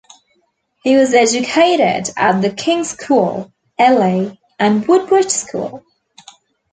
He was educated at The King's School, Ely, and Woodbridge School.